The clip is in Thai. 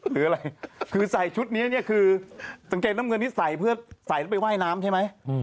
คืออะไรคือใส่ชุดนี้ตรงเกณฑ์น้ำเงินนี้ใส่เพื่อใส่ไปว่ายน้ำใช่ไหม